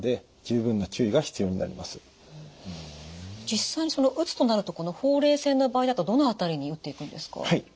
実際打つとなるとこのほうれい線の場合だとどの辺りに打っていくんですか？